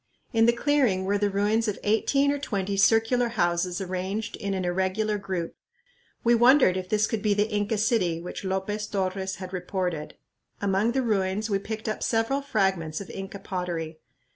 In the clearing were the ruins of eighteen or twenty circular houses arranged in an irregular group. We wondered if this could be the "Inca city" which Lopez Torres had reported. Among the ruins we picked up several fragments of Inca pottery.